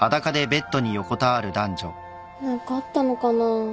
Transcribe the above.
何かあったのかな？